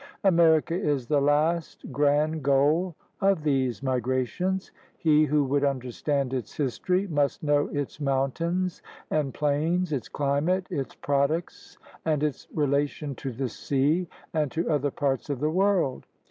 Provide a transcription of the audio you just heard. America is the last great goal of these migrations. He who would understand its history must know its mountains and plains, its climate, its products, and its relation to the sea and to other parts of the world.